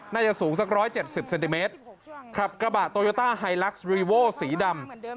น่าจะสูงสักร้อยเจ็ดสิบเซนติเมตรขับกระบะสีดำ